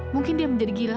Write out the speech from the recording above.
mungkin dia menjadi gila